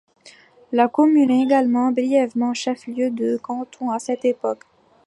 La commune est également brièvement chef-lieu de canton à cette époque.